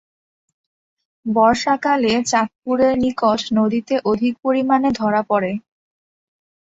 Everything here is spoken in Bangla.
বর্ষাকালে চাঁদপুরের নিকট নদীতে অধিক পরিমাণে ধরা পড়ে।